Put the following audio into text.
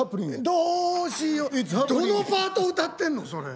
どのパート歌ってんのそれ。